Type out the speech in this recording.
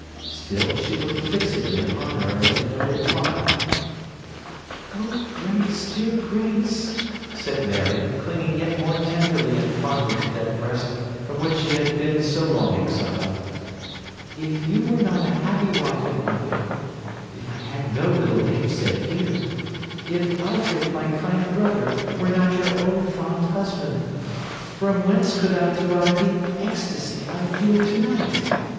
Still she looked fixedly upon her, and made no reply. 'Oh Grace, dear Grace,' said Marion, clinging yet more tenderly and fondly to that breast from which she had been so long exiled, 'if you were not a happy wife and mother—if I had no little namesake here—if Alfred, my kind brother, were not your own fond husband—from whence could I derive the ecstasy I feel to night!